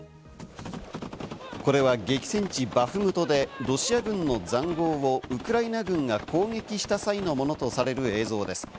これは激戦地バフムトでロシア軍の塹壕をウクライナ軍が攻撃した際のものとされる映像です。